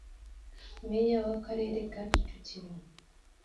Meya w’Akarere ka Kicukiro